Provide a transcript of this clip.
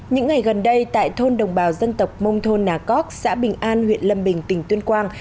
những ngày gần đây tại thôn đồng bào dân tộc mông thôn nà cóc xã bình an huyện lâm bình tỉnh tuyên quang